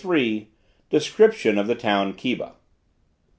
DESCRIPTION OF THE TOWN KEBA.